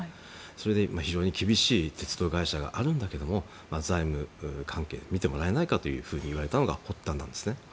それで非常に厳しい鉄道会社があるんだけども財務関係を見てもらえないかと言われたのが発端なんですね。